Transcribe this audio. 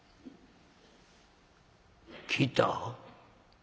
「来た？